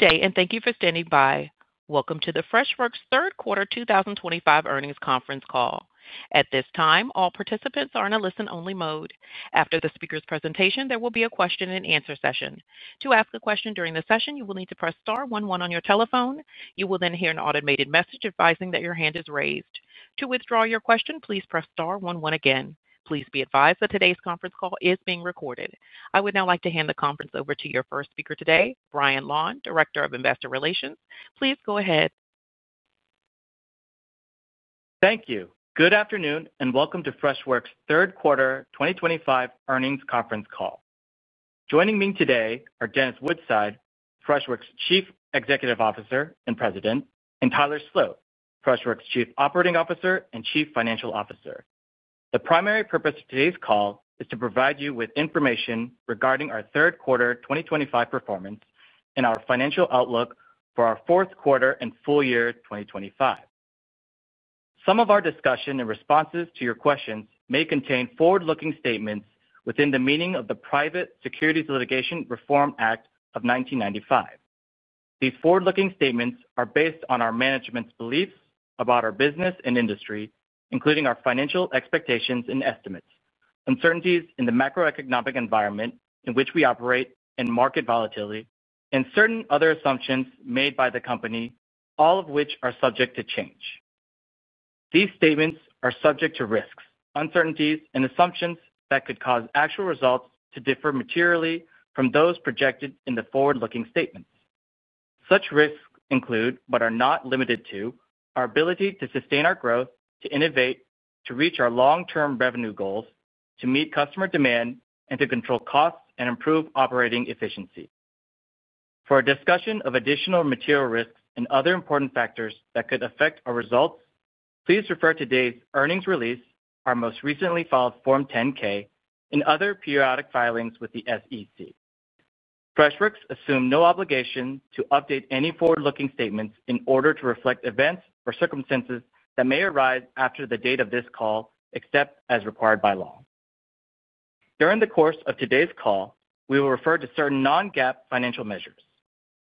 Good day, and thank you for standing by. Welcome to the Freshworks third quarter 2025 earnings conference call. At this time, all participants are in a listen-only mode. After the speaker's presentation, there will be a question-and-answer session. To ask a question during the session, you will need to press star one on your telephone. You will then hear an automated message advising that your hand is raised. To withdraw your question, please press star one one again. Please be advised that today's conference call is being recorded. I would now like to hand the conference over to your first speaker today, Brian Lan, Director of Investor Relations. Please go ahead. Thank you. Good afternoon, and welcome to Freshworks Third Quarter 2025 Earnings Conference call. Joining me today are Dennis Woodside, Freshworks Chief Executive Officer and President, and Tyler Sloat, Freshworks Chief Operating Officer and Chief Financial Officer. The primary purpose of today's call is to provide you with information regarding our Third Quarter 2025 performance and our financial outlook for our Fourth Quarter and Full Year 2025. Some of our discussion and responses to your questions may contain forward-looking statements within the meaning of the Private Securities Litigation Reform Act of 1995. These forward-looking statements are based on our management's beliefs about our business and industry, including our financial expectations and estimates, uncertainties in the macroeconomic environment in which we operate, and market volatility, and certain other assumptions made by the company, all of which are subject to change. These statements are subject to risks, uncertainties, and assumptions that could cause actual results to differ materially from those projected in the forward-looking statements. Such risks include, but are not limited to, our ability to sustain our growth, to innovate, to reach our long-term revenue goals, to meet customer demand, and to control costs and improve operating efficiency. For a discussion of additional material risks and other important factors that could affect our results, please refer to today's earnings release, our most recently filed Form 10-K, and other periodic filings with the SEC. Freshworks assumes no obligation to update any forward-looking statements in order to reflect events or circumstances that may arise after the date of this call, except as required by law. During the course of today's call, we will refer to certain non-GAAP financial measures.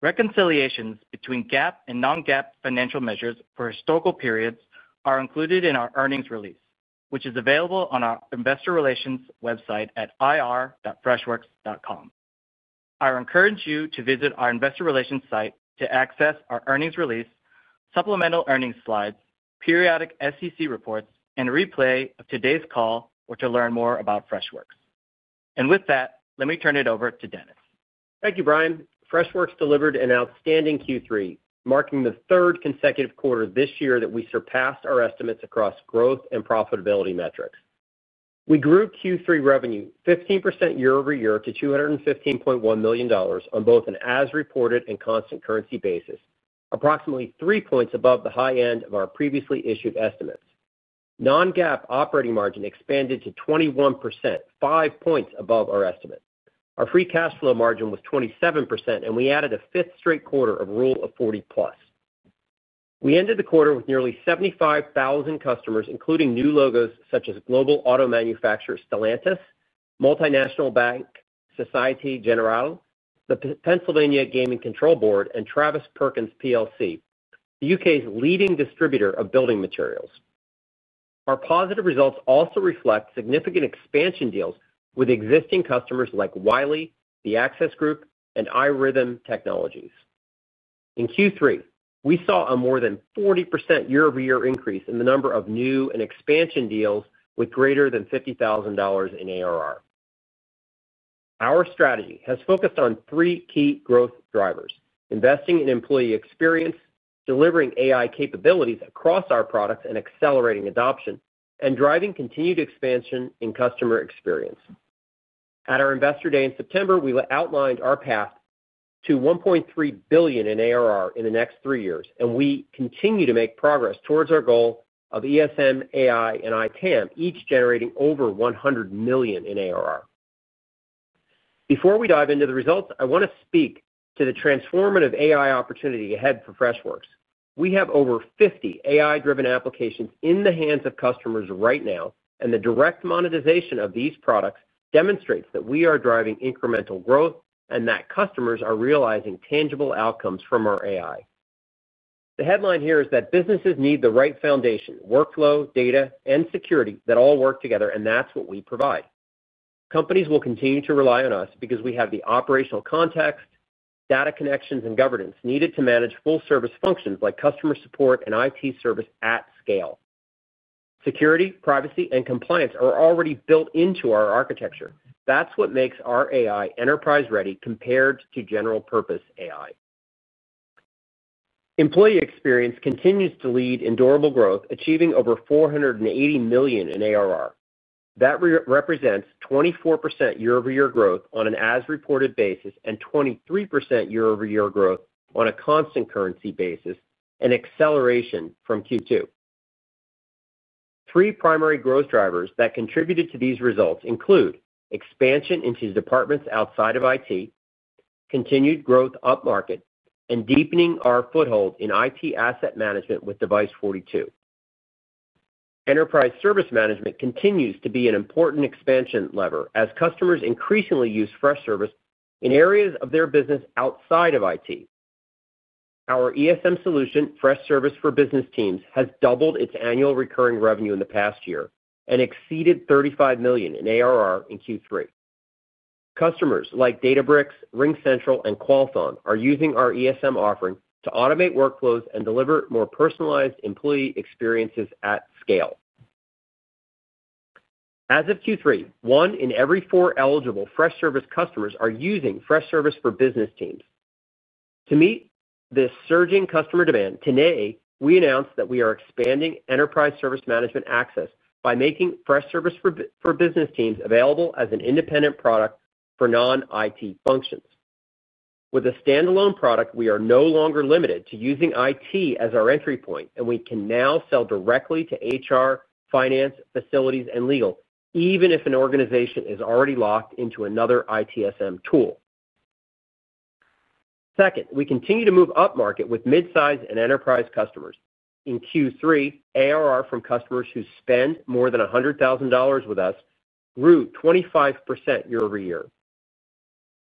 Reconciliations between GAAP and non-GAAP financial measures for historical periods are included in our earnings release, which is available on our Investor Relations website at ir.freshworks.com. I encourage you to visit our Investor Relations site to access our earnings release, supplemental earnings slides, periodic SEC reports, and a replay of today's call, or to learn more about Freshworks. With that, let me turn it over to Dennis. Thank you, Brian. Freshworks delivered an outstanding Q3, marking the third consecutive quarter this year that we surpassed our estimates across growth and profitability metrics. We grew Q3 revenue 15% year-over-year to $215.1 million on both an as-reported and constant currency basis, approximately three points above the high end of our previously issued estimates. Non-GAAP operating margin expanded to 21%, five points above our estimate. Our free cash flow margin was 27%, and we added a fifth straight quarter of Rule of 40 Plus. We ended the quarter with nearly 75,000 customers, including new logos such as global auto manufacturer Stellantis, multinational bank Société Générale, the Pennsylvania Gaming Control Board, and Travis Perkins, the U.K.'s leading distributor of building materials. Our positive results also reflect significant expansion deals with existing customers like Wiley, The Access Group, and iRhythm Technologies. In Q3, we saw a more than 40% year-over-year increase in the number of new and expansion deals with greater than $50,000 in ARR. Our strategy has focused on three key growth drivers: investing in employee experience, delivering AI capabilities across our products and accelerating adoption, and driving continued expansion in customer experience. At our Investor Day in September, we outlined our path to $1.3 billion in ARR in the next three years, and we continue to make progress towards our goal of ESM, AI, and ITAM, each generating over $100 million in ARR. Before we dive into the results, I want to speak to the transformative AI opportunity ahead for Freshworks. We have over 50 AI-driven applications in the hands of customers right now, and the direct monetization of these products demonstrates that we are driving incremental growth and that customers are realizing tangible outcomes from our AI. The headline here is that businesses need the right foundation: workflow, data, and security that all work together, and that's what we provide. Companies will continue to rely on us because we have the operational context, data connections, and governance needed to manage full-service functions like customer support and IT service at scale. Security, privacy, and compliance are already built into our architecture. That's what makes our AI enterprise-ready compared to general-purpose AI. Employee experience continues to lead in durable growth, achieving over $480 million in ARR. That represents 24% year-over-year growth on an as-reported basis and 23% year-over-year growth on a constant currency basis, an acceleration from Q2. Three primary growth drivers that contributed to these results include expansion into departments outside of IT, continued growth up market, and deepening our foothold in IT asset management with Device42. Enterprise service management continues to be an important expansion lever as customers increasingly use Freshservice in areas of their business outside of IT. Our ESM solution, Freshservice for Business Teams, has doubled its annual recurring revenue in the past year and exceeded $35 million in ARR in Q3. Customers like Databricks, RingCentral, and Qualcomm are using our ESM offering to automate workflows and deliver more personalized employee experiences at scale. As of Q3, one in every four eligible Freshservice customers are using Freshservice for Business Teams. To meet this surging customer demand today, we announced that we are expanding enterprise service management access by making Freshservice for Business Teams available as an independent product for non-IT functions. With a standalone product, we are no longer limited to using IT as our entry point, and we can now sell directly to HR, finance, facilities, and legal, even if an organization is already locked into another ITSM tool. Second, we continue to move up market with mid-size and enterprise customers. In Q3, ARR from customers who spend more than $100,000 with us grew 25% year-over-year.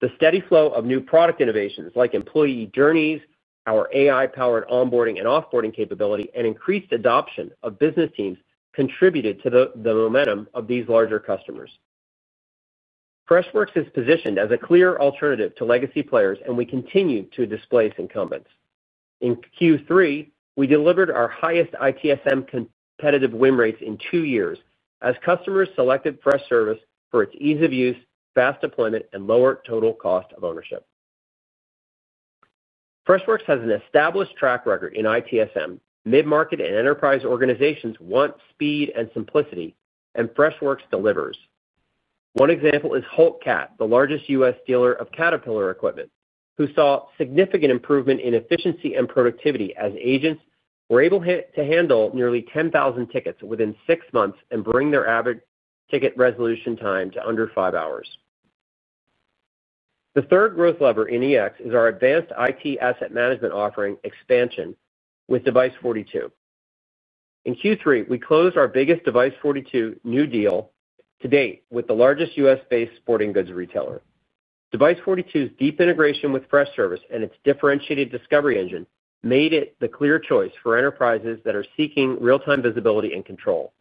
The steady flow of new product innovations like Employee Journeys, our AI-powered onboarding and offboarding capability, and increased adoption of business teams contributed to the momentum of these larger customers. Freshworks is positioned as a clear alternative to legacy players, and we continue to displace incumbents. In Q3, we delivered our highest ITSM competitive win rates in two years as customers selected Freshservice for its ease of use, fast deployment, and lower total cost of ownership. Freshworks has an established track record in ITSM. Mid-market and enterprise organizations want speed and simplicity, and Freshworks delivers. One example is HOLT CAT, the largest U.S. dealer of Caterpillar equipment, who saw significant improvement in efficiency and productivity as agents were able to handle nearly 10,000 tickets within six months and bring their average ticket resolution time to under five hours. The third growth lever in EX is our advanced IT asset management offering expansion with Device42. In Q3, we closed our biggest Device42 new deal to date with the largest U.S.-based sporting goods retailer. Device42's deep integration with Freshservice and its differentiated discovery engine made it the clear choice for enterprises that are seeking real-time visibility and control.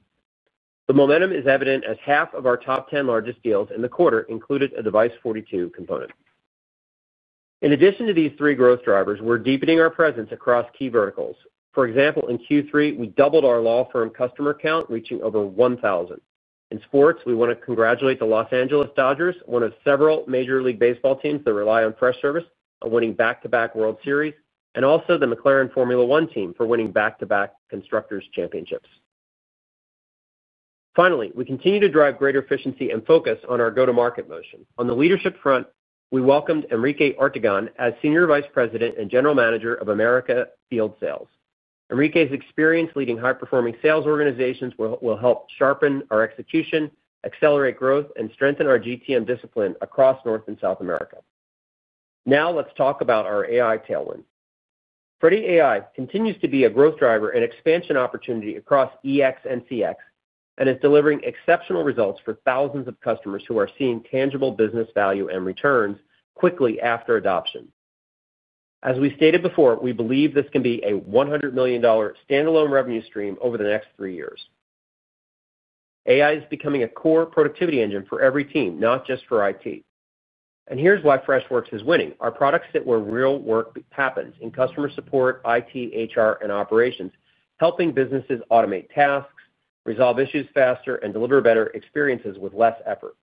The momentum is evident as half of our top 10 largest deals in the quarter included a Device42 component. In addition to these three growth drivers, we're deepening our presence across key verticals. For example, in Q3, we doubled our law firm customer count, reaching over 1,000. In sports, we want to congratulate the Los Angeles Dodgers, one of several Major League Baseball teams that rely on Freshservice, on winning back-to-back World Series, and also the McLaren Formula team for winning back-to-back Constructors Championships. Finally, we continue to drive greater efficiency and focus on our go-to-market motion. On the leadership front, we welcomed Enrique Ortegon as Senior Vice President and General Manager of America Field Sales. Enrique's experience leading high-performing sales organizations will help sharpen our execution, accelerate growth, and strengthen our GTM discipline across North and South America. Now let's talk about our AI tailwind. Freddy AI continues to be a growth driver and expansion opportunity across EX and CX and is delivering exceptional results for thousands of customers who are seeing tangible business value and returns quickly after adoption. As we stated before, we believe this can be a $100 million standalone revenue stream over the next three years. AI is becoming a core productivity engine for every team, not just for IT. Here is why Freshworks is winning. Our products sit where real work happens in customer support, IT, HR, and operations, helping businesses automate tasks, resolve issues faster, and deliver better experiences with less effort.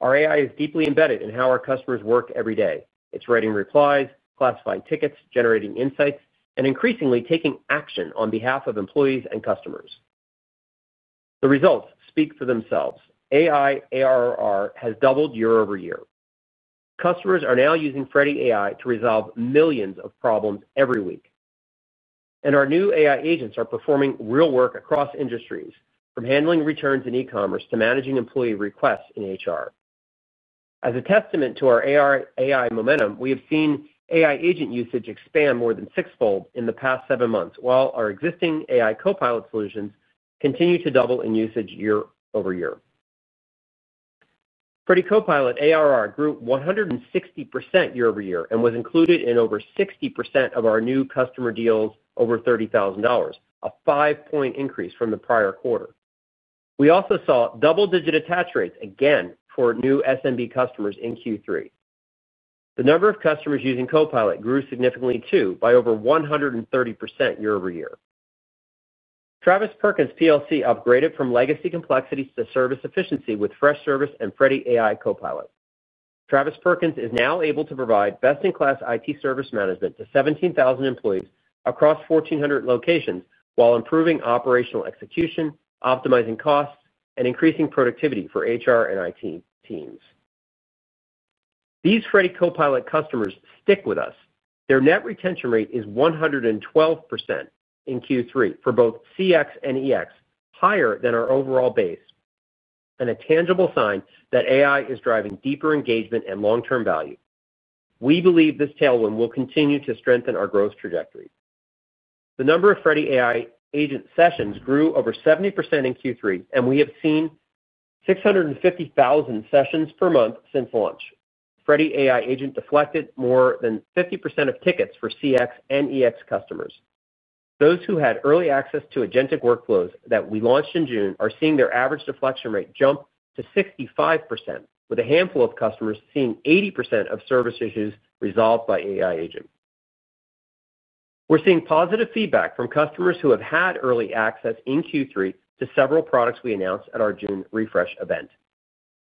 Our AI is deeply embedded in how our customers work every day. It is writing replies, classifying tickets, generating insights, and increasingly taking action on behalf of employees and customers. The results speak for themselves. AI ARR has doubled year-over-year. Customers are now using Freddy AI to resolve millions of problems every week. Our new AI agents are performing real work across industries, from handling returns in e-commerce to managing employee requests in HR. As a testament to our AI momentum, we have seen AI agent usage expand more than sixfold in the past seven months, while our existing AI Copilot solutions continue to double in usage year-over-year. Freddy Copilot ARR grew 160% year-over-year and was included in over 60% of our new customer deals over $30,000, a five-point increase from the prior quarter. We also saw double-digit attach rates again for new SMB customers in Q3. The number of customers using Copilot grew significantly too, by over 130% year-over-year. Travis Perkins upgraded from legacy complexity to service efficiency with Freshservice and Freddy AI Copilot. Travis Perkins is now able to provide best-in-class IT service management to 17,000 employees across 1,400 locations while improving operational execution, optimizing costs, and increasing productivity for HR and IT teams. These Freddy Copilot customers stick with us. Their net retention rate is 112% in Q3 for both CX and EX, higher than our overall base, and a tangible sign that AI is driving deeper engagement and long-term value. We believe this tailwind will continue to strengthen our growth trajectory. The number of Freddy AI agent sessions grew over 70% in Q3, and we have seen 650,000 sessions per month since launch. Freddy AI agent deflected more than 50% of tickets for CX and EX customers. Those who had early access to agentic workflows that we launched in June are seeing their average deflection rate jump to 65%, with a handful of customers seeing 80% of service issues resolved by AI agent. We're seeing positive feedback from customers who have had early access in Q3 to several products we announced at our June refresh event.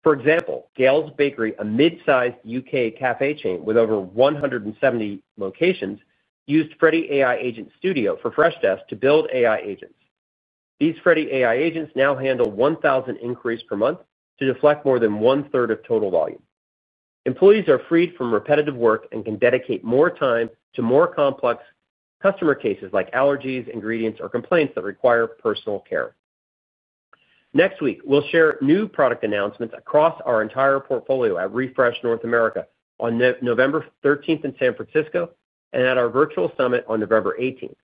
For example, Gales Bakery, a mid-sized U.K. café chain with over 170 locations, used Freddy AI Agent Studio for Freshdesk to build AI agents. These Freddy AI agents now handle 1,000 inquiries per month to deflect more than one-third of total volume. Employees are freed from repetitive work and can dedicate more time to more complex customer cases like allergies, ingredients, or complaints that require personal care. Next week, we'll share new product announcements across our entire portfolio at Refresh North America on November 13 in San Francisco and at our virtual summit on November 18th.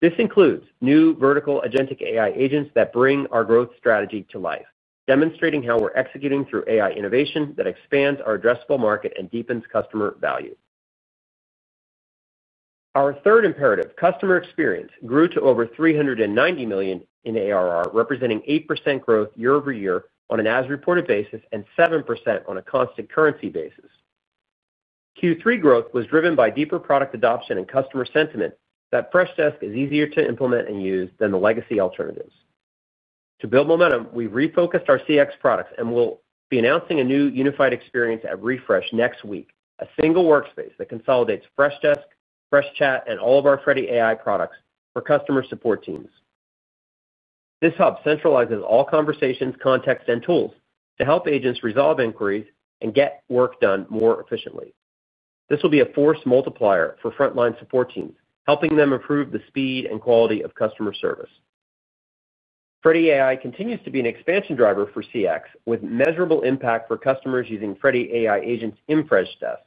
This includes new vertical agentic AI agents that bring our growth strategy to life, demonstrating how we're executing through AI innovation that expands our addressable market and deepens customer value. Our third imperative, customer experience, grew to over $390 million in ARR, representing 8% growth year-over-year on an as-reported basis and 7% on a constant currency basis. Q3 growth was driven by deeper product adoption and customer sentiment that Freshdesk is easier to implement and use than the legacy alternatives. To build momentum, we refocused our CX products and will be announcing a new unified experience at Refresh next week, a single workspace that consolidates Freshdesk, Freshchat, and all of our Freddy AI products for customer support teams. This hub centralizes all conversations, context, and tools to help agents resolve inquiries and get work done more efficiently. This will be a force multiplier for frontline support teams, helping them improve the speed and quality of customer service. Freddy AI continues to be an expansion driver for CX with measurable impact for customers using Freddy AI agents in Freshdesk.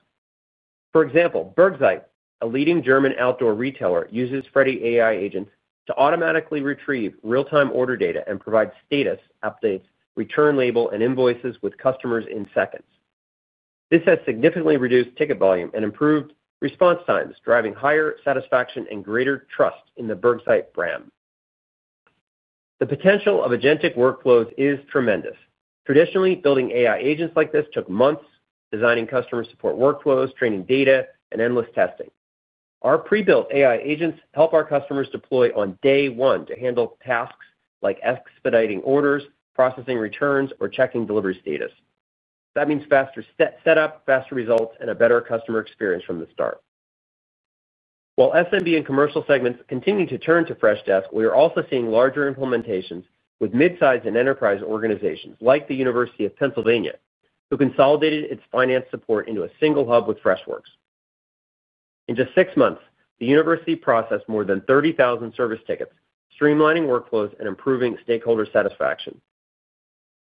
For example, Bergfreunde, a leading German outdoor retailer, uses Freddy AI agents to automatically retrieve real-time order data and provide status updates, return labels, and invoices with customers in seconds. This has significantly reduced ticket volume and improved response times, driving higher satisfaction and greater trust in the Bergfreunde brand. The potential of agentic workflows is tremendous. Traditionally, building AI agents like this took months, designing customer support workflows, training data, and endless testing. Our pre-built AI agents help our customers deploy on day one to handle tasks like expediting orders, processing returns, or checking delivery status. That means faster setup, faster results, and a better customer experience from the start. While SMB and commercial segments continue to turn to Freshdesk, we are also seeing larger implementations with mid-size and enterprise organizations like the University of Pennsylvania, who consolidated its finance support into a single hub with Freshworks. In just six months, the university processed more than 30,000 service tickets, streamlining workflows and improving stakeholder satisfaction.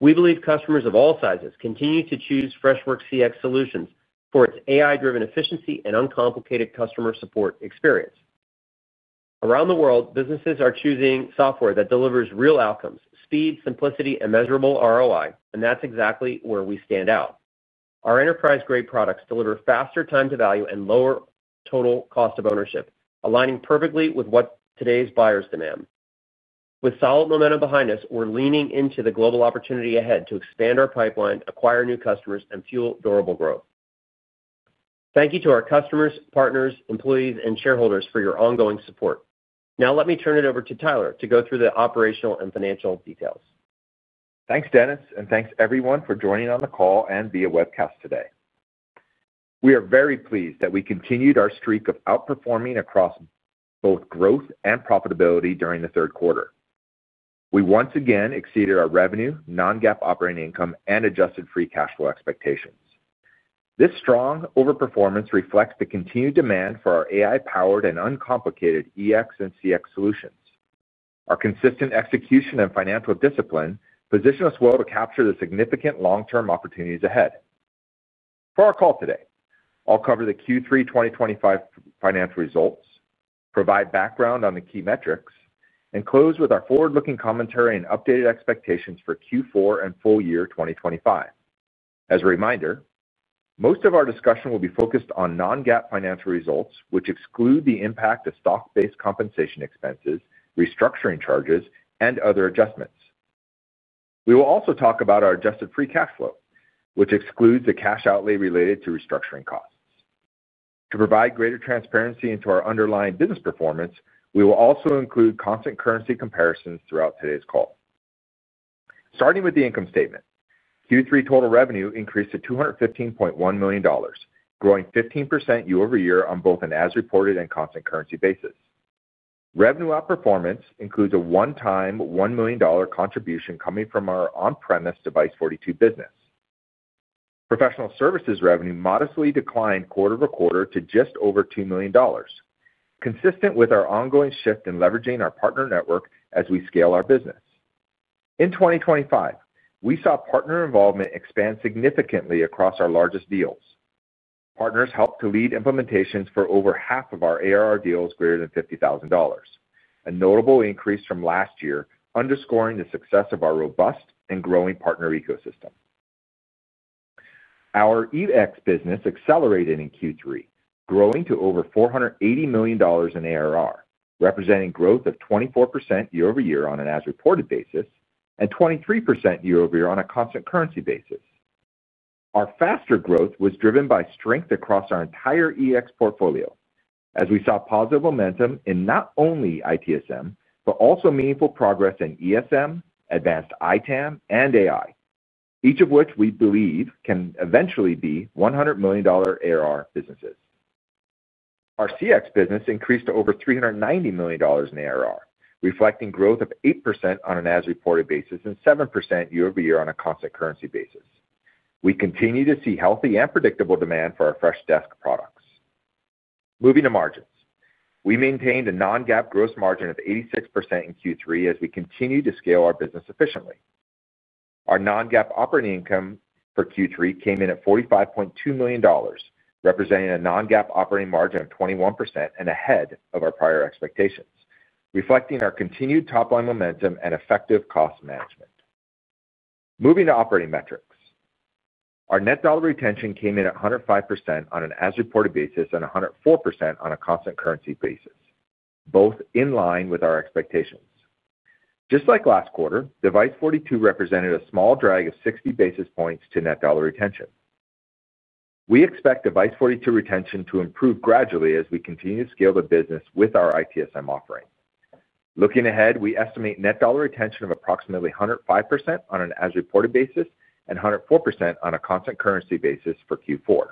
We believe customers of all sizes continue to choose Freshworks CX solutions for its AI-driven efficiency and uncomplicated customer support experience. Around the world, businesses are choosing software that delivers real outcomes, speed, simplicity, and measurable ROI, and that's exactly where we stand out. Our enterprise-grade products deliver faster time to value and lower total cost of ownership, aligning perfectly with what today's buyers demand. With solid momentum behind us, we're leaning into the global opportunity ahead to expand our pipeline, acquire new customers, and fuel durable growth. Thank you to our customers, partners, employees, and shareholders for your ongoing support. Now let me turn it over to Tyler to go through the operational and financial details. Thanks, Dennis, and thanks everyone for joining on the call and via webcast today. We are very pleased that we continued our streak of outperforming across both growth and profitability during the third quarter. We once again exceeded our revenue, non-GAAP operating income, and adjusted free cash flow expectations. This strong overperformance reflects the continued demand for our AI-powered and uncomplicated EX and CX solutions. Our consistent execution and financial discipline position us well to capture the significant long-term opportunities ahead. For our call today, I'll cover the Q3 2025 financial results, provide background on the key metrics, and close with our forward-looking commentary and updated expectations for Q4 and full year 2025. As a reminder, most of our discussion will be focused on non-GAAP financial results, which exclude the impact of stock-based compensation expenses, restructuring charges, and other adjustments. We will also talk about our adjusted free cash flow, which excludes the cash outlay related to restructuring costs. To provide greater transparency into our underlying business performance, we will also include constant currency comparisons throughout today's call. Starting with the income statement, Q3 total revenue increased to $215.1 million, growing 15% year-over-year on both an as-reported and constant currency basis. Revenue outperformance includes a one-time $1 million contribution coming from our on-premise Device 42 business. Professional services revenue modestly declined quarter to quarter to just over $2 million, consistent with our ongoing shift in leveraging our partner network as we scale our business. In 2025, we saw partner involvement expand significantly across our largest deals. Partners helped to lead implementations for over 1/2 of our ARR deals greater than $50,000, a notable increase from last year, underscoring the success of our robust and growing partner ecosystem. Our EX business accelerated in Q3, growing to over $480 million in ARR, representing growth of 24% year-over-year on an as-reported basis and 23% year-over-year on a constant currency basis. Our faster growth was driven by strength across our entire EX portfolio, as we saw positive momentum in not only ITSM, but also meaningful progress in ESM, advanced ITAM, and AI, each of which we believe can eventually be $100 million ARR businesses. Our CX business increased to over $390 million in ARR, reflecting growth of 8% on an as-reported basis and 7% year-over-year on a constant currency basis. We continue to see healthy and predictable demand for our Freshdesk products. Moving to margins, we maintained a non-GAAP gross margin of 86% in Q3 as we continue to scale our business efficiently. Our non-GAAP operating income for Q3 came in at $45.2 million, representing a non-GAAP operating margin of 21% and ahead of our prior expectations, reflecting our continued top-line momentum and effective cost management. Moving to operating metrics, our net dollar retention came in at 105% on an as-reported basis and 104% on a constant currency basis, both in line with our expectations. Just like last quarter, Device42 represented a small drag of 60 basis points to net dollar retention. We expect Device42 retention to improve gradually as we continue to scale the business with our ITSM offering. Looking ahead, we estimate net dollar retention of approximately 105% on an as-reported basis and 104% on a constant currency basis for Q4.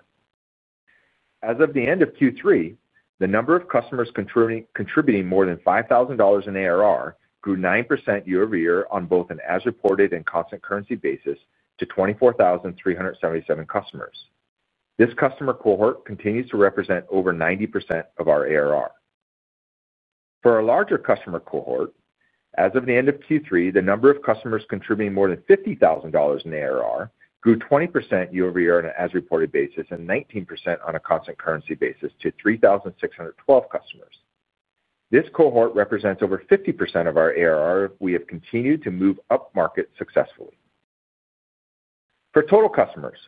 As of the end of Q3, the number of customers contributing more than $5,000 in ARR grew 9% year-over-year on both an as-reported and constant currency basis to 24,377 customers. This customer cohort continues to represent over 90% of our ARR. For our larger customer cohort, as of the end of Q3, the number of customers contributing more than $50,000 in ARR grew 20% year-over-year on an as-reported basis and 19% on a constant currency basis to 3,612 customers. This cohort represents over 50% of our ARR if we have continued to move up market successfully. For total customers,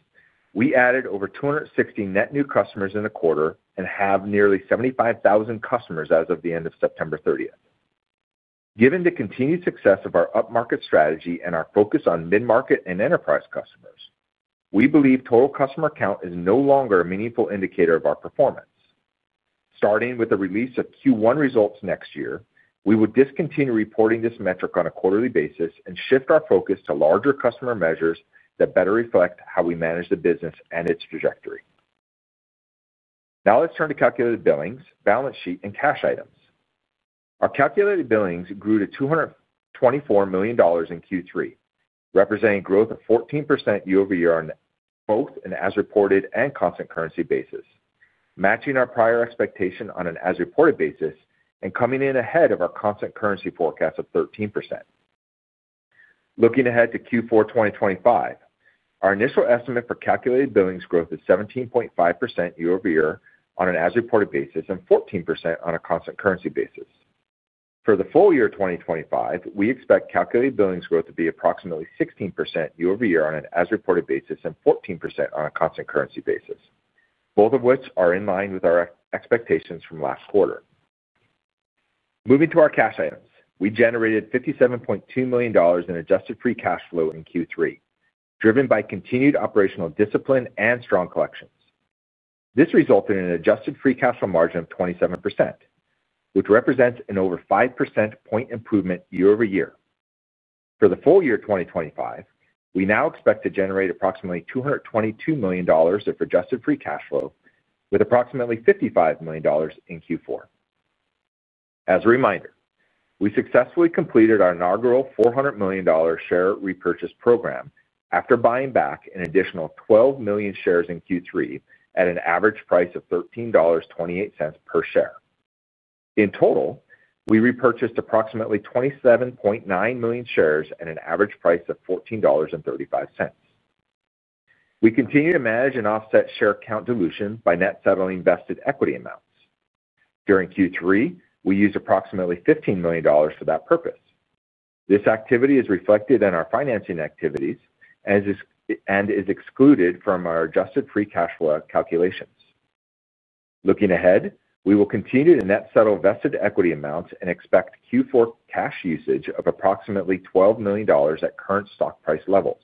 we added over 260 net new customers in the quarter and have nearly 75,000 customers as of the end of September 30th. Given the continued success of our up-market strategy and our focus on mid-market and enterprise customers, we believe total customer count is no longer a meaningful indicator of our performance. Starting with the release of Q1 results next year, we would discontinue reporting this metric on a quarterly basis and shift our focus to larger customer measures that better reflect how we manage the business and its trajectory. Now let's turn to calculated billings, balance sheet, and cash items. Our calculated billings grew to $224 million in Q3, representing growth of 14% year-over-year on both an as-reported and constant currency basis, matching our prior expectation on an as-reported basis and coming in ahead of our constant currency forecast of 13%. Looking ahead to Q4 2025, our initial estimate for calculated billings growth is 17.5% year-over-year on an as-reported basis and 14% on a constant currency basis. For the full year 2025, we expect calculated billings growth to be approximately 16% year-over-year on an as-reported basis and 14% on a constant currency basis, both of which are in line with our expectations from last quarter. Moving to our cash items, we generated $57.2 million in adjusted free cash flow in Q3, driven by continued operational discipline and strong collections. This resulted in an adjusted free cash flow margin of 27%, which represents an over 5 percentage point improvement year-over-year. For the full year 2025, we now expect to generate approximately $222 million of adjusted free cash flow, with approximately $55 million in Q4. As a reminder, we successfully completed our inaugural $400 million share repurchase program after buying back an additional 12 million shares in Q3 at an average price of $13.28 per share. In total, we repurchased approximately 27.9 million shares at an average price of $14.35. We continue to manage and offset share count dilution by net settling vested equity amounts. During Q3, we used approximately $15 million for that purpose. This activity is reflected in our financing activities and is excluded from our adjusted free cash flow calculations. Looking ahead, we will continue to net settle vested equity amounts and expect Q4 cash usage of approximately $12 million at current stock price levels.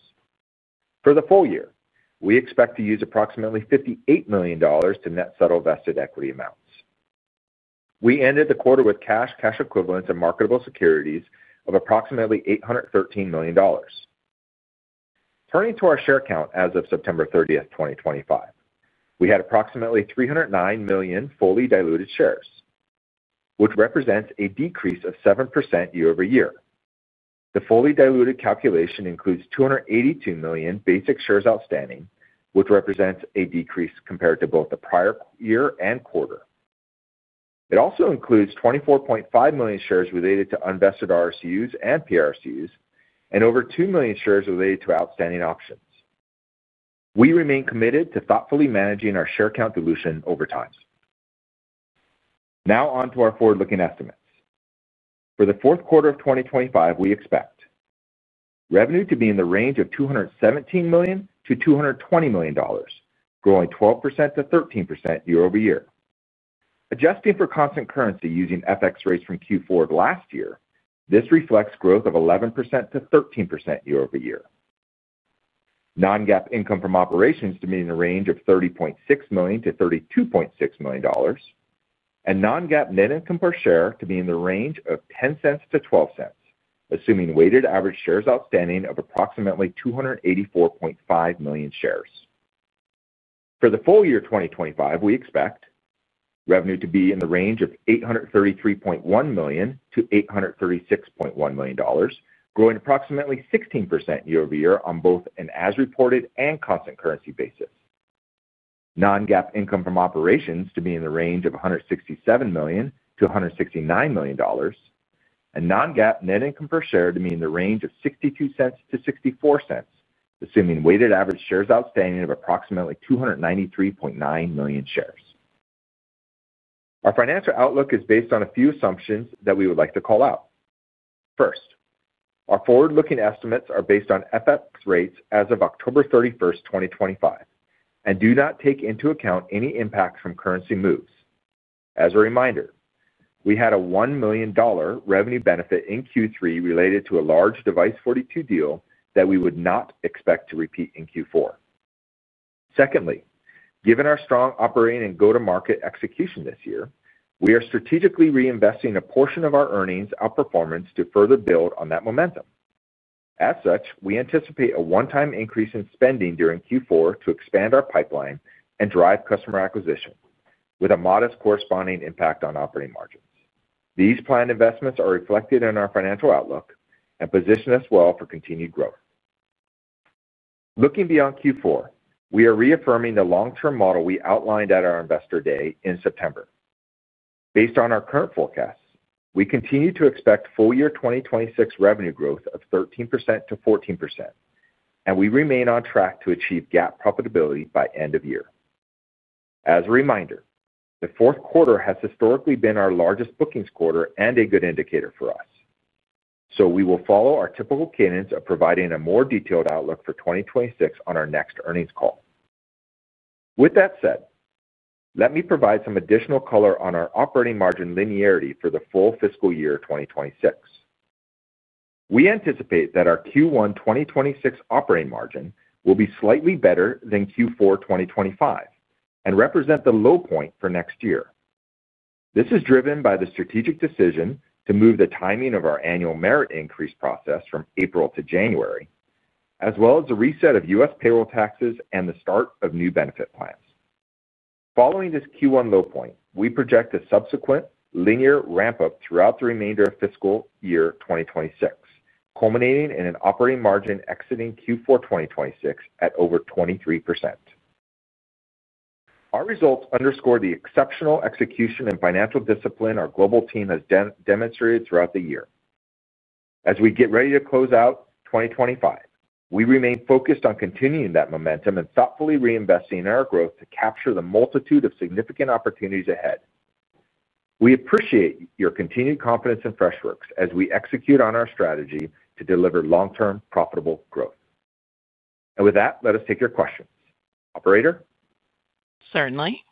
For the full year, we expect to use approximately $58 million to net settle vested equity amounts. We ended the quarter with cash, cash equivalents, and marketable securities of approximately $813 million. Turning to our share count as of September 30, 2025, we had approximately 309 million fully diluted shares, which represents a decrease of 7% year-over-year. The fully diluted calculation includes 282 million basic shares outstanding, which represents a decrease compared to both the prior year and quarter. It also includes 24.5 million shares related to unvested RSUs and PRSUs and over 2 million shares related to outstanding options. We remain committed to thoughtfully managing our share count dilution over time. Now onto our forward-looking estimates. For the fourth quarter of 2025, we expect revenue to be in the range of $217 million-$220 million, growing 12%-13% year-over-year. Adjusting for constant currency using FX rates from Q4 of last year, this reflects growth of 11%-13% year-over-year. Non-GAAP income from operations to be in the range of $30.6 million-$32.6 million, and non-GAAP net income per share to be in the range of $0.10-$0.12, assuming weighted average shares outstanding of approximately 284.5 million shares. For the full year 2025, we expect. Revenue to be in the range of $833.1 million-$836.1 million, growing approximately 16% year-over-year on both an as-reported and constant currency basis. Non-GAAP income from operations to be in the range of $167 million-$169 million, and non-GAAP net income per share to be in the range of $0.62-$0.64, assuming weighted average shares outstanding of approximately 293.9 million shares. Our financial outlook is based on a few assumptions that we would like to call out. First. Our forward-looking estimates are based on FX rates as of October 31, 2025, and do not take into account any impact from currency moves. As a reminder, we had a $1 million revenue benefit in Q3 related to a large Device42 deal that we would not expect to repeat in Q4. Secondly, given our strong operating and go-to-market execution this year, we are strategically reinvesting a portion of our earnings outperformance to further build on that momentum. As such, we anticipate a one-time increase in spending during Q4 to expand our pipeline and drive customer acquisition, with a modest corresponding impact on operating margins. These planned investments are reflected in our financial outlook and position us well for continued growth. Looking beyond Q4, we are reaffirming the long-term model we outlined at our investor day in September. Based on our current forecasts, we continue to expect full year 2026 revenue growth of 13%-14%, and we remain on track to achieve GAAP profitability by end of year. As a reminder, the fourth quarter has historically been our largest bookings quarter and a good indicator for us. We will follow our typical cadence of providing a more detailed outlook for 2026 on our next earnings call. With that said, let me provide some additional color on our operating margin linearity for the full fiscal year 2026. We anticipate that our Q1 2026 operating margin will be slightly better than Q4 2025 and represent the low point for next year. This is driven by the strategic decision to move the timing of our annual merit increase process from April to January, as well as the reset of U.S. payroll taxes and the start of new benefit plans. Following this Q1 low point, we project a subsequent linear ramp-up throughout the remainder of fiscal year 2026, culminating in an operating margin exiting Q4 2026 at over 23%. Our results underscore the exceptional execution and financial discipline our global team has demonstrated throughout the year. As we get ready to close out 2025, we remain focused on continuing that momentum and thoughtfully reinvesting in our growth to capture the multitude of significant opportunities ahead. We appreciate your continued confidence in Freshworks as we execute on our strategy to deliver long-term profitable growth. With that, let us take your questions. Operator? Certainly.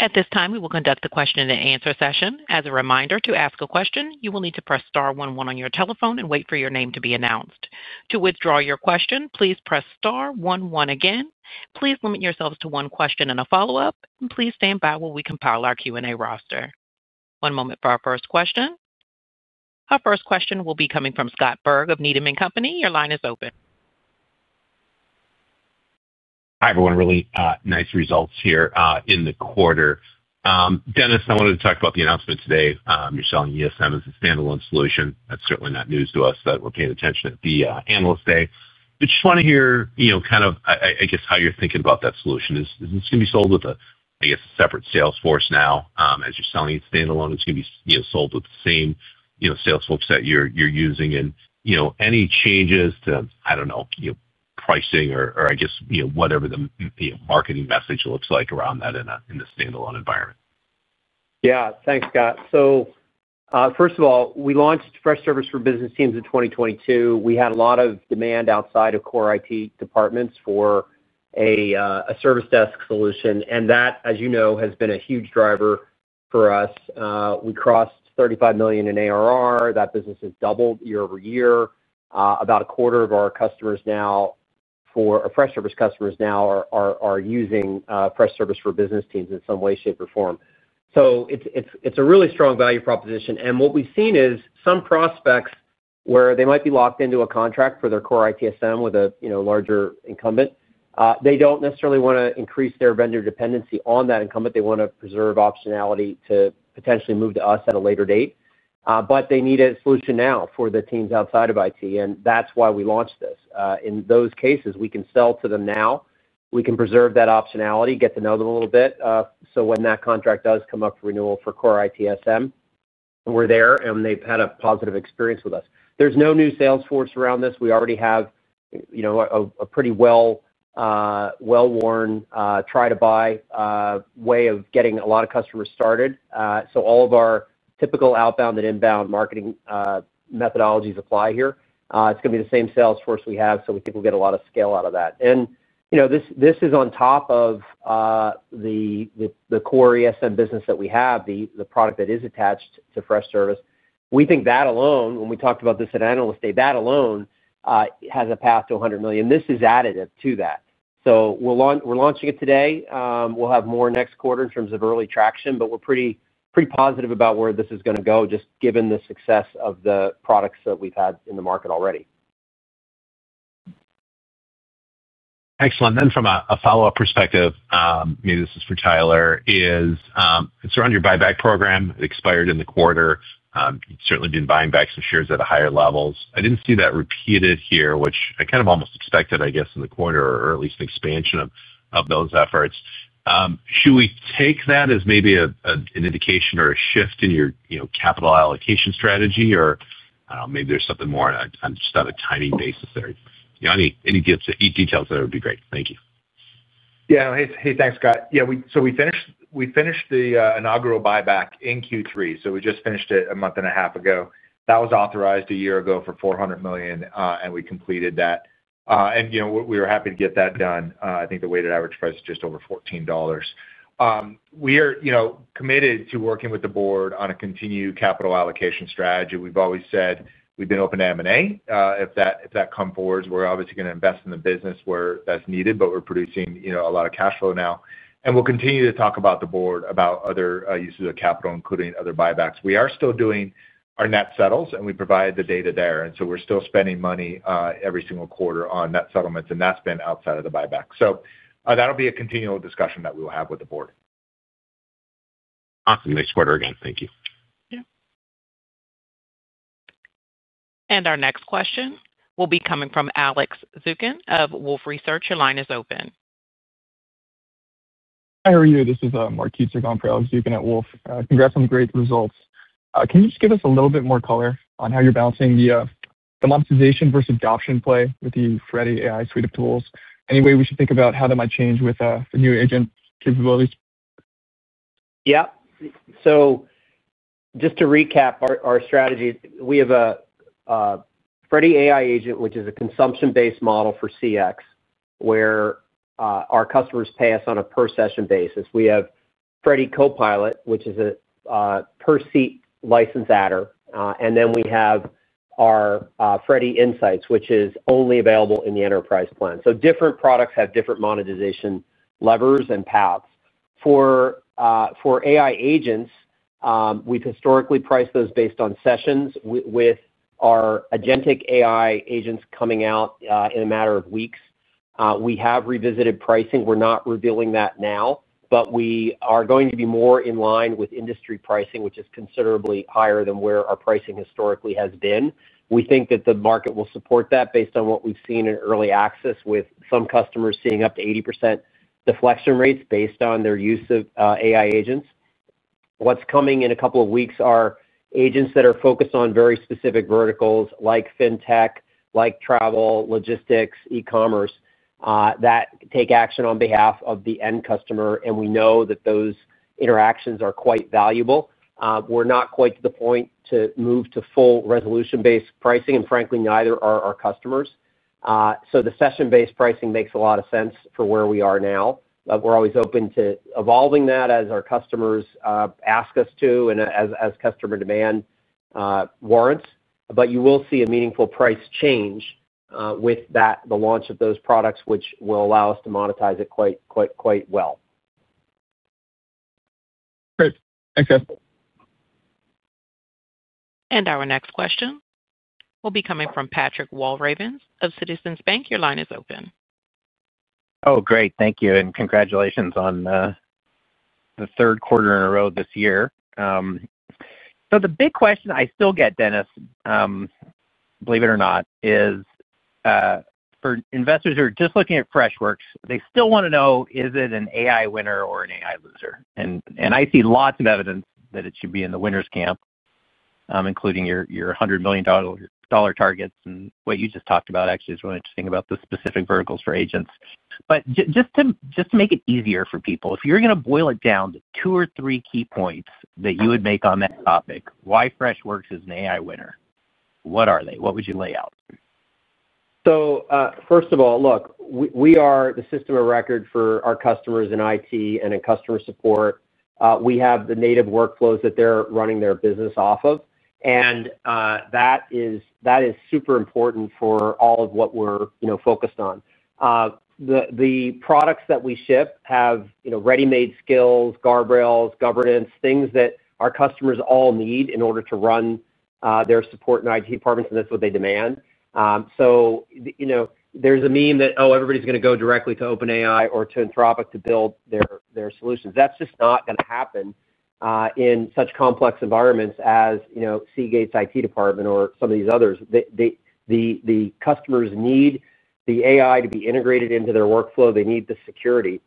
At this time, we will conduct the question-and-answer session. As a reminder, to ask a question, you will need to press star one on your telephone and wait for your name to be announced. To withdraw your question, please press star one one again. Please limit yourselves to one question and a follow-up, and please stand by while we compile our Q&A roster. One moment for our first question. Our first question will be coming from Scott Berg of Needham & Company. Your line is open. Hi, everyone. Really nice results here in the quarter. Dennis, I wanted to talk about the announcement today. You're selling ESM as a standalone solution. That's certainly not news to us that we're paying attention at the analyst day. Just want to hear kind of, I guess, how you're thinking about that solution. Is this going to be sold with a, I guess, separate Salesforce now? As you're selling it standalone, it's going to be sold with the same Salesforce that you're using and any changes to, I don't know, pricing or, I guess, whatever the marketing message looks like around that in the standalone environment. Yeah, thanks, Scott. First of all, we launched Freshservice for Business Teams in 2022. We had a lot of demand outside of core IT departments for a service desk solution, and that, as you know, has been a huge driver for us. We crossed $35 million in ARR. That business has doubled year-over-year. About a quarter of our customers now. For our Freshservice customers now are using Freshservice for Business Teams in some way, shape, or form. It is a really strong value proposition. What we have seen is some prospects where they might be locked into a contract for their core ITSM with a larger incumbent. They do not necessarily want to increase their vendor dependency on that incumbent. They want to preserve optionality to potentially move to us at a later date. They need a solution now for the teams outside of IT, and that is why we launched this. In those cases, we can sell to them now. We can preserve that optionality, get to know them a little bit. When that contract does come up for renewal for core ITSM, we're there, and they've had a positive experience with us. There's no new Salesforce around this. We already have a pretty well-worn try-to-buy way of getting a lot of customers started. All of our typical outbound and inbound marketing methodologies apply here. It's going to be the same Salesforce we have, so we think we'll get a lot of scale out of that. This is on top of the core ESM business that we have, the product that is attached to Freshservice. We think that alone, when we talked about this at analyst day, that alone has a path to $100 million. This is additive to that. We're launching it today. We'll have more next quarter in terms of early traction, but we're pretty positive about where this is going to go, just given the success of the products that we've had in the market already. Excellent. Then from a follow-up perspective, maybe this is for Tyler, is it's around your buy-back program. It expired in the quarter. You've certainly been buying back some shares at higher levels. I didn't see that repeated here, which I kind of almost expected, I guess, in the quarter, or at least an expansion of those efforts. Should we take that as maybe an indication or a shift in your capital allocation strategy, or I don't know, maybe there's something more on just on a timing basis there? Any details there would be great. Thank you. Yeah. Hey, thanks, Scott. Yeah. So we finished the inaugural buy-back in Q3. We just finished it a month and a half ago. That was authorized a year ago for $400 million, and we completed that. We were happy to get that done. I think the weighted average price is just over $14. We are committed to working with the board on a continued capital allocation strategy. We've always said we've been open to M&A. If that comes forward, we're obviously going to invest in the business where that's needed, but we're producing a lot of cash flow now. We'll continue to talk with the board about other uses of capital, including other buy-backs. We are still doing our net settles, and we provide the data there. We're still spending money every single quarter on net settlements, and that's been outside of the buy-back. That will be a continual discussion that we will have with the board. Awesome. Nice quarter again. Thank you. Yeah. Our next question will be coming from Alex Zukin of Wolfe Research. Your line is open. Hi, how are you? This is Mark Keitzer going for Alex Zukin at Wolf. Congrats on the great results. Can you just give us a little bit more color on how you're balancing the monetization versus adoption play with the Freddy AI suite of tools? Any way we should think about how that might change with the new agent capabilities? Yeah. Just to recap our strategy, we have a Freddy AI agent, which is a consumption-based model for CX, where our customers pay us on a per-session basis. We have Freddy Copilot, which is a per-seat license adder. Then we have our Freddy Insights, which is only available in the enterprise plan. Different products have different monetization levers and paths. For. AI agents, we've historically priced those based on sessions with our agentic AI agents coming out in a matter of weeks. We have revisited pricing. We're not revealing that now, but we are going to be more in line with industry pricing, which is considerably higher than where our pricing historically has been. We think that the market will support that based on what we've seen in early access, with some customers seeing up to 80% deflection rates based on their use of AI agents. What's coming in a couple of weeks are agents that are focused on very specific verticals like fintech, like travel, logistics, e-commerce that take action on behalf of the end customer. We know that those interactions are quite valuable. We're not quite to the point to move to full resolution-based pricing, and frankly, neither are our customers. The session-based pricing makes a lot of sense for where we are now. We're always open to evolving that as our customers ask us to and as customer demand warrants. You will see a meaningful price change with the launch of those products, which will allow us to monetize it quite well. Great. Thanks, guys. Our next question will be coming from Patrick Walravens of Citizens Bank. Your line is open. Oh, great. Thank you. Congratulations on the third quarter in a row this year. The big question I still get, Dennis, believe it or not, is for investors who are just looking at Freshworks, they still want to know, is it an AI winner or an AI loser? I see lots of evidence that it should be in the winner's camp, including your $100 million targets. What you just talked about actually is really interesting about the specific verticals for agents. Just to make it easier for people, if you're going to boil it down to two or three key points that you would make on that topic, why Freshworks is an AI winner, what are they? What would you lay out? First of all, look, we are the system of record for our customers in IT and in customer support. We have the native workflows that they're running their business off of. That is super important for all of what we're focused on. The products that we ship have ready-made skills, guardrails, governance, things that our customers all need in order to run their support and IT departments, and that's what they demand. There's a meme that, oh, everybody's going to go directly to OpenAI or to Anthropic to build their solutions. That's just not going to happen. In such complex environments as Seagate's IT department or some of these others. The customers need the AI to be integrated into their workflow. They need the security.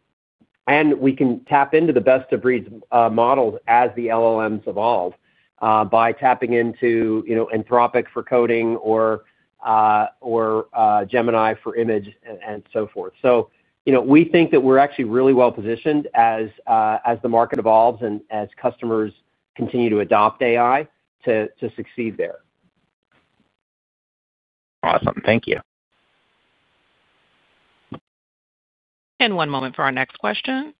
We can tap into the best-of-breed models as the LLMs evolve by tapping into Anthropic for coding or Gemini for image and so forth. We think that we're actually really well-positioned as the market evolves and as customers continue to adopt AI to succeed there. Awesome. Thank you. One moment for our next question.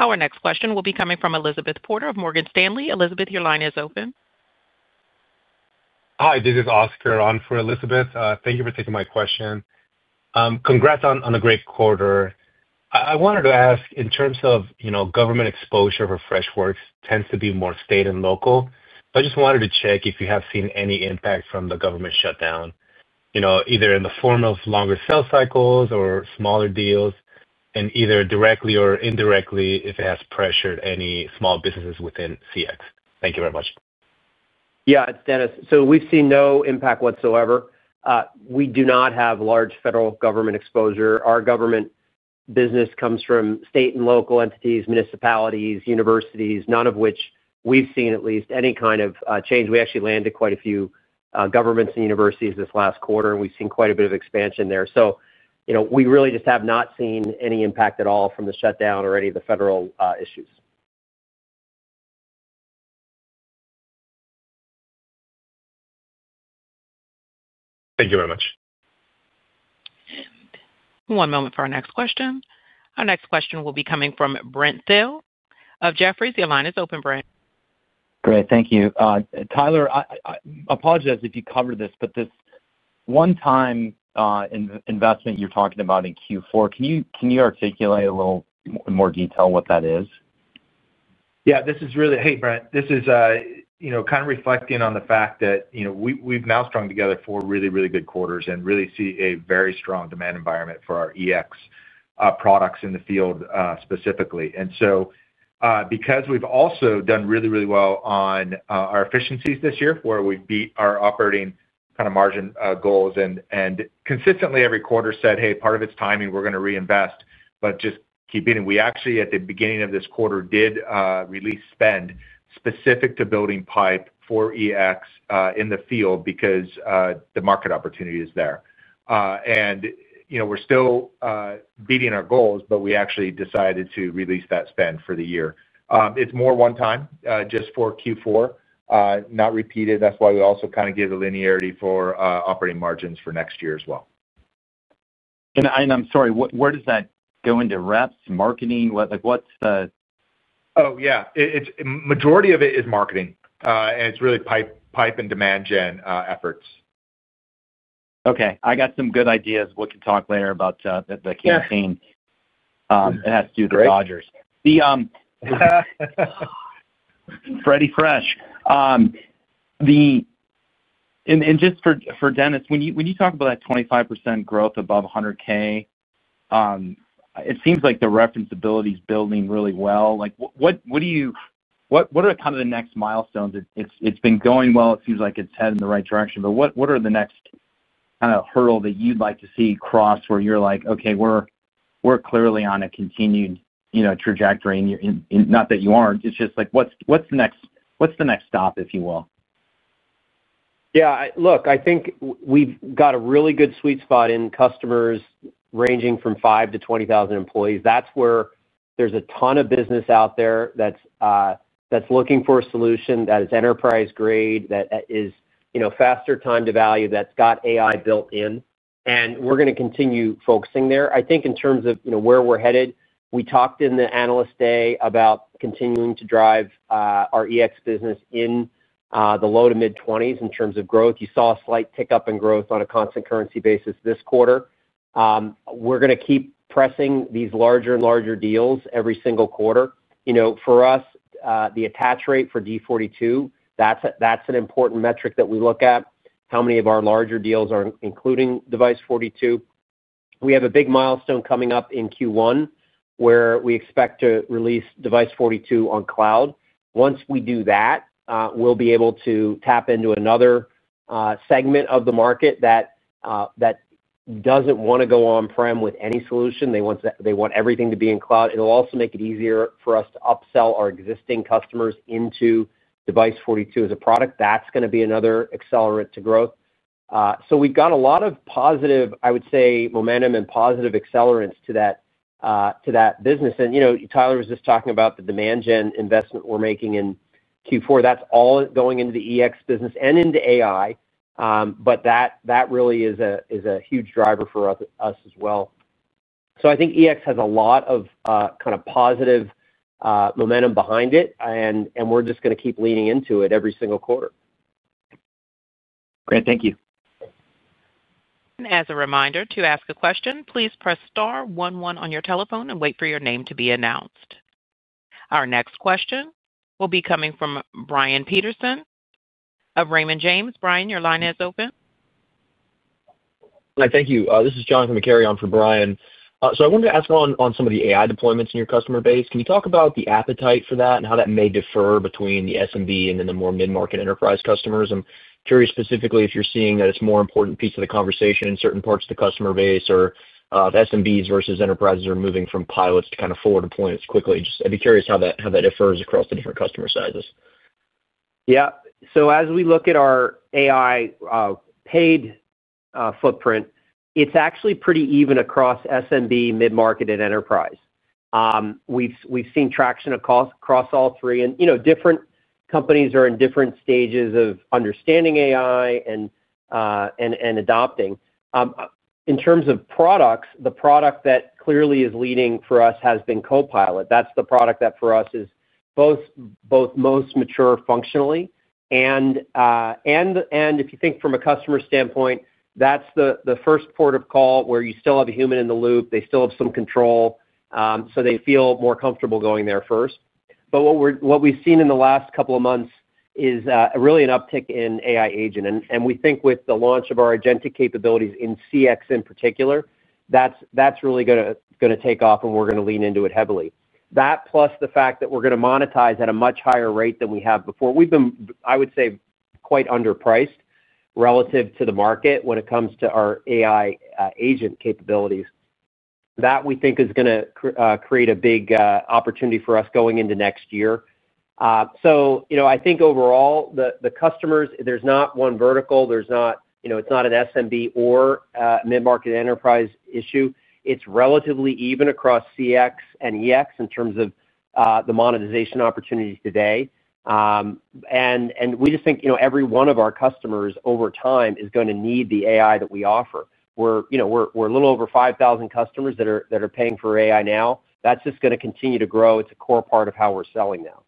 Our next question will be coming from Elizabeth Porter of Morgan Stanley. Elizabeth, your line is open. Hi, this is Oscar on for Elizabeth. Thank you for taking my question. Congrats on a great quarter. I wanted to ask, in terms of government exposure for Freshworks, tends to be more state and local. I just wanted to check if you have seen any impact from the government shutdown. Either in the form of longer sales cycles or smaller deals, and either directly or indirectly, if it has pressured any small businesses within CX. Thank you very much. Yeah, Dennis. So we've seen no impact whatsoever. We do not have large federal government exposure. Our government business comes from state and local entities, municipalities, universities, none of which we've seen at least any kind of change. We actually landed quite a few governments and universities this last quarter, and we've seen quite a bit of expansion there. We really just have not seen any impact at all from the shutdown or any of the federal issues. Thank you very much. One moment for our next question. Our next question will be coming from Brent Thill of Jefferies. Your line is open, Brent. Great. Thank you. Tyler, I apologize if you covered this, but this one-time investment you're talking about in Q4, can you articulate a little more detail what that is? Yeah. Hey, Brent. This is kind of reflecting on the fact that we've now strung together four really, really good quarters and really see a very strong demand environment for our EX products in the field specifically. And because we've also done really, really well on our efficiencies this year, where we've beat our operating kind of margin goals and consistently every quarter said, "Hey, part of it's timing. We're going to reinvest, but just keep beating. We actually, at the beginning of this quarter, did release spend specific to building pipe for EX in the field because the market opportunity is there. We're still beating our goals, but we actually decided to release that spend for the year. It's more one-time, just for Q4. Not repeated. That is why we also kind of gave the linearity for operating margins for next year as well. I'm sorry, where does that go into? Reps? Marketing? What's the— Oh, yeah. Majority of it is marketing. And it's really pipe and demand gen efforts. Okay. I got some good ideas. We can talk later about the campaign. It has to do with the Dodgers. Freddy Fresh. And just for Dennis, when you talk about that 25% growth above $100,000. It seems like the reference ability is building really well. What are kind of the next milestones? It's been going well. It seems like it's headed in the right direction. What are the next kind of hurdle that you'd like to see crossed where you're like, "Okay, we're clearly on a continued trajectory"? Not that you aren't. It's just like, what's the next stop, if you will? Yeah. Look, I think we've got a really good sweet spot in customers ranging from 5 to 20,000 employees. That's where there's a ton of business out there that's looking for a solution that is enterprise-grade, that is faster time to value, that's got AI built in. We're going to continue focusing there. I think in terms of where we're headed, we talked in the analyst day about continuing to drive our EX business in the low to mid-20s in terms of growth. You saw a slight tick up in growth on a constant currency basis this quarter. We're going to keep pressing these larger and larger deals every single quarter. For us, the attach rate for Device42, that's an important metric that we look at, how many of our larger deals are including Device42. We have a big milestone coming up in Q1 where we expect to release Device42 on cloud. Once we do that, we'll be able to tap into another segment of the market that doesn't want to go on-prem with any solution. They want everything to be in cloud. It'll also make it easier for us to upsell our existing customers into Device42 as a product. That's going to be another accelerant to growth. We have a lot of positive, I would say, momentum and positive accelerants to that business. Tyler was just talking about the demand gen investment we're making in Q4. That's all going into the EX business and into AI. That really is a huge driver for us as well. I think EX has a lot of kind of positive momentum behind it, and we're just going to keep leaning into it every single quarter. Great. Thank you. As a reminder to ask a question, please press star one one on your telephone and wait for your name to be announced. Our next question will be coming from Brian Peterson of Raymond James. Brian, your line is open. Hi, thank you. This is Jonathan McCarry on for Brian. I wanted to ask on some of the AI deployments in your customer base. Can you talk about the appetite for that and how that may differ between the SMB and then the more mid-market enterprise customers? I'm curious specifically if you're seeing that it's a more important piece of the conversation in certain parts of the customer base or SMBs versus enterprises are moving from pilots to kind of forward deployments quickly. I'd be curious how that differs across the different customer sizes. Yeah. As we look at our AI paid footprint, it's actually pretty even across SMB, mid-market, and enterprise. We've seen traction across all three. Different companies are in different stages of understanding AI and adopting. In terms of products, the product that clearly is leading for us has been Copilot. That's the product that for us is both most mature functionally and. If you think from a customer standpoint, that's the first port of call where you still have a human in the loop. They still have some control, so they feel more comfortable going there first. What we've seen in the last couple of months is really an uptick in AI agent. We think with the launch of our agentic capabilities in CX in particular, that's really going to take off, and we're going to lean into it heavily. That plus the fact that we're going to monetize at a much higher rate than we have before. We've been, I would say, quite underpriced relative to the market when it comes to our AI agent capabilities. That we think is going to create a big opportunity for us going into next year. I think overall, the customers, there's not one vertical. It's not an SMB or mid-market enterprise issue. It's relatively even across CX and EX in terms of the monetization opportunities today. We just think every one of our customers over time is going to need the AI that we offer. We're a little over 5,000 customers that are paying for AI now. That's just going to continue to grow. It's a core part of how we're selling now.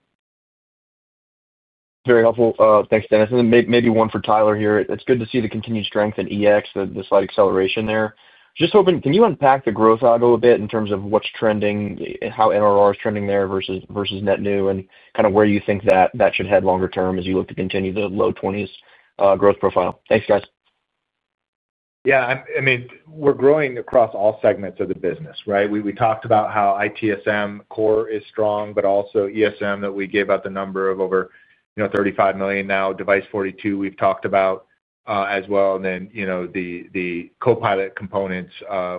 Very helpful. Thanks, Dennis. Maybe one for Tyler here. It's good to see the continued strength in EX, the slight acceleration there. Just hoping, can you unpack the growth algorithm a bit in terms of what's trending, how NRR is trending there versus net new, and kind of where you think that that should head longer term as you look to continue the low 20% growth profile? Thanks, guys. Yeah. I mean, we're growing across all segments of the business, right? We talked about how ITSM core is strong, but also ESM that we gave out the number of over $35 million now. Device42, we've talked about as well, and then the Copilot components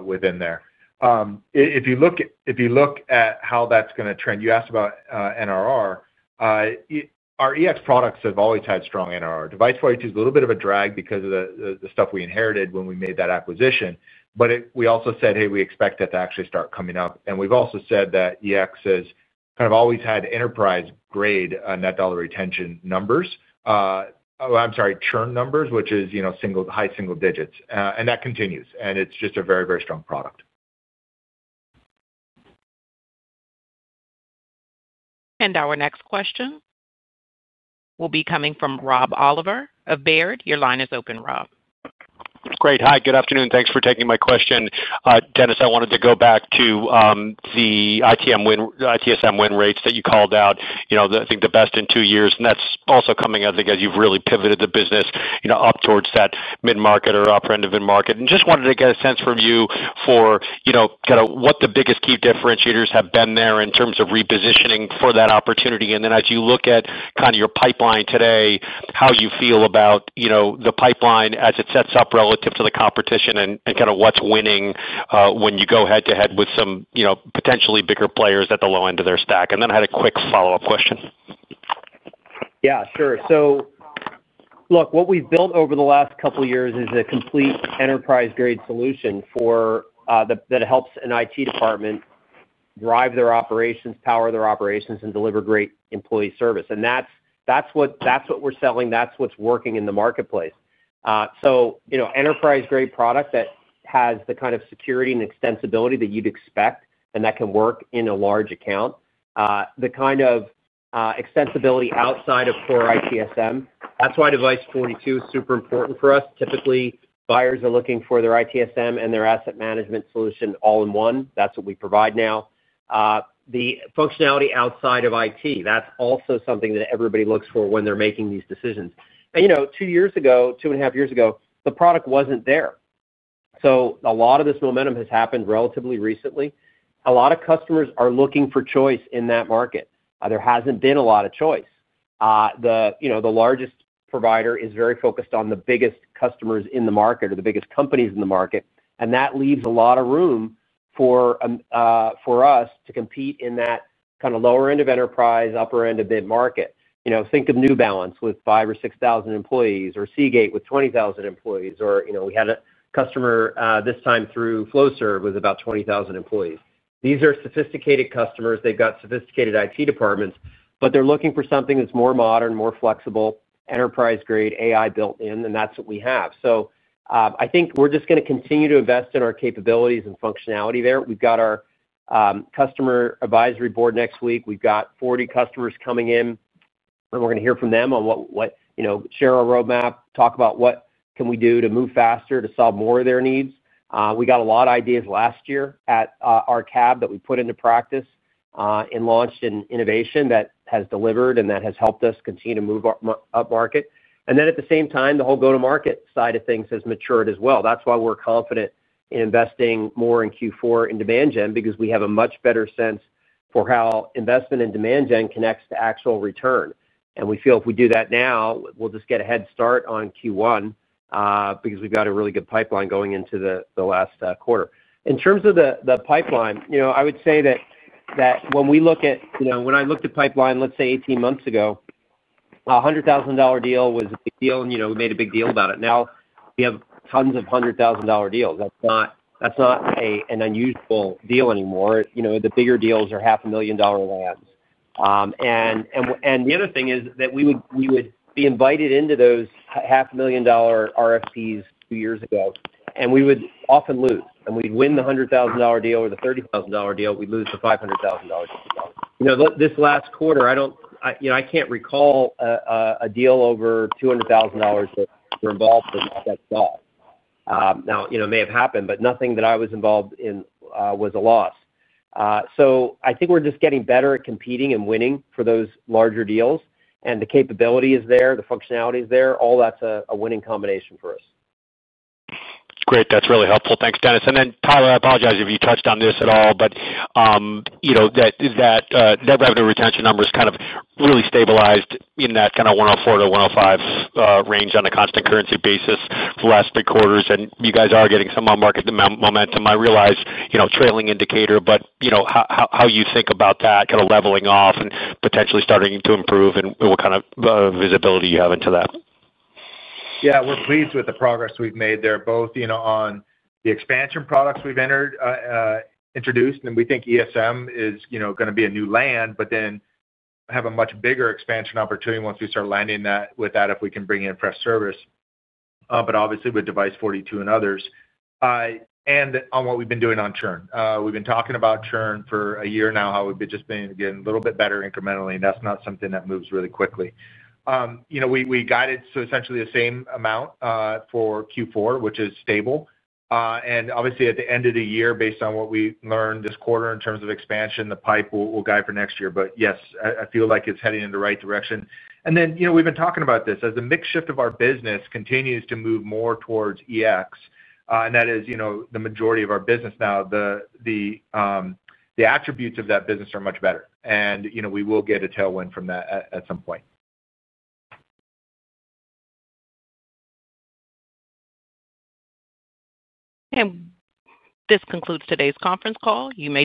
within there. If you look at how that's going to trend, you asked about NRR. Our EX products have always had strong NRR. Device42 is a little bit of a drag because of the stuff we inherited when we made that acquisition. We also said, "Hey, we expect that to actually start coming up." We've also said that EX has kind of always had enterprise-grade net dollar retention numbers. I'm sorry, churn numbers, which is high single digits. That continues. It's just a very, very strong product. Our next question will be coming from Rob Oliver of Baird. Your line is open, Rob. Great. Hi. Good afternoon. Thanks for taking my question. Dennis, I wanted to go back to the ITSM win rates that you called out. I think the best in two years. That is also coming, I think, as you have really pivoted the business up towards that mid-market or upper end of mid-market. I just wanted to get a sense from you for kind of what the biggest key differentiators have been there in terms of repositioning for that opportunity. As you look at kind of your pipeline today, how you feel about the pipeline as it sets up relative to the competition and kind of what is winning when you go head to head with some potentially bigger players at the low end of their stack. I had a quick follow-up question. Yeah, sure. So. Look, what we've built over the last couple of years is a complete enterprise-grade solution that helps an IT department drive their operations, power their operations, and deliver great employee service. That's what we're selling. That's what's working in the marketplace. Enterprise-grade product that has the kind of security and extensibility that you'd expect and that can work in a large account. The kind of extensibility outside of core ITSM, that's why Device42 is super important for us. Typically, buyers are looking for their ITSM and their asset management solution all in one. That's what we provide now. The functionality outside of IT, that's also something that everybody looks for when they're making these decisions. Two years ago, two and a half years ago, the product wasn't there. A lot of this momentum has happened relatively recently. A lot of customers are looking for choice in that market. There has not been a lot of choice. The largest provider is very focused on the biggest customers in the market or the biggest companies in the market. That leaves a lot of room for us to compete in that kind of lower end of enterprise, upper end of mid-market. Think of New Balance with 5,000 or 6,000 employees or Seagate with 20,000 employees. We had a customer this time through Flowserve with about 20,000 employees. These are sophisticated customers. They have got sophisticated IT departments, but they are looking for something that is more modern, more flexible, enterprise-grade, AI built in, and that is what we have. I think we are just going to continue to invest in our capabilities and functionality there. We have got our customer advisory board next week. We have got 40 customers coming in. We are going to hear from them on what share our roadmap, talk about what can we do to move faster to solve more of their needs. We got a lot of ideas last year at our cab that we put into practice and launched in innovation that has delivered and that has helped us continue to move up market. At the same time, the whole go-to-market side of things has matured as well. That is why we are confident in investing more in Q4 in demand gen because we have a much better sense for how investment in demand gen connects to actual return. We feel if we do that now, we will just get a head start on Q1 because we have got a really good pipeline going into the last quarter. In terms of the pipeline, I would say that. When we look at when I looked at pipeline, let's say 18 months ago. A $100,000 deal was a big deal, and we made a big deal about it. Now, we have tons of $100,000 deals. That's not an unusual deal anymore. The bigger deals are $500,000 lands. The other thing is that we would be invited into those $500,000 RFPs two years ago, and we would often lose. We'd win the $100,000 deal or the $30,000 deal. We'd lose the $500,000 deal. This last quarter, I can't recall a deal over $200,000 that we're involved in that got stopped. Now, it may have happened, but nothing that I was involved in was a loss. I think we're just getting better at competing and winning for those larger deals. The capability is there. The functionality is there. All that's a winning combination for us. Great. That's really helpful. Thanks, Dennis. Then, Tyler, I apologize if you touched on this at all, but that net revenue retention number is kind of really stabilized in that 104-105 range on a constant currency basis for the last three quarters. You guys are getting some market momentum. I realize trailing indicator, but how you think about that kind of leveling off and potentially starting to improve and what kind of visibility you have into that. Yeah, we're pleased with the progress we've made there, both on the expansion products we've introduced. We think ESM is going to be a new land, but then have a much bigger expansion opportunity once we start landing that with that if we can bring in Freshservice. Obviously with Device42 and others. On what we have been doing on churn. We have been talking about churn for a year now, how we have just been getting a little bit better incrementally. That is not something that moves really quickly. We guided essentially the same amount for Q4, which is stable. Obviously, at the end of the year, based on what we learned this quarter in terms of expansion, the pipe will guide for next year. Yes, I feel like it is heading in the right direction. We have been talking about this as the mix shift of our business continues to move more towards EX. That is the majority of our business now. The attributes of that business are much better. We will get a tailwind from that at some point. This concludes today's conference call. You may.